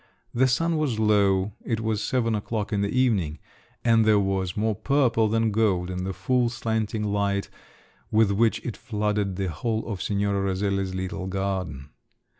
The sun was low—it was seven o'clock in the evening—and there was more purple than gold in the full slanting light with which it flooded the whole of Signora Roselli's little garden.